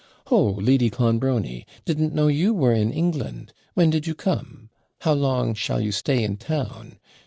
'Ho! Lady Clonbrony! didn't know you were in England! When did you come? How long shall you stay in town!